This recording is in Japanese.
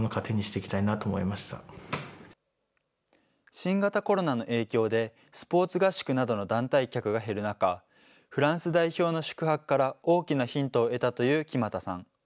新型コロナの影響でスポーツ合宿などの団体客が減る中、フランス代表の宿泊から大きなヒントを得たという木全さん。